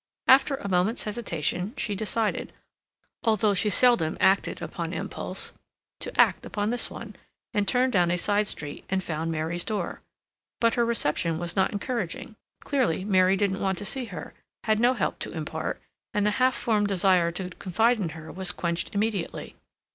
After a moment's hesitation she decided, although she seldom acted upon impulse, to act upon this one, and turned down a side street and found Mary's door. But her reception was not encouraging; clearly Mary didn't want to see her, had no help to impart, and the half formed desire to confide in her was quenched immediately.